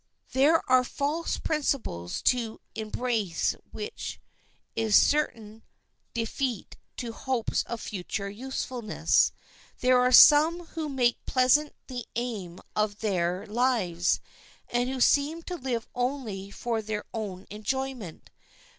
There are false principles, to embrace which is certain defeat to hopes of future usefulness. There are some who make pleasure the aim of their lives, and who seem to live only for their own enjoyment.